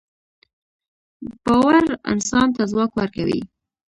باورانسان ته ځواک ورکوي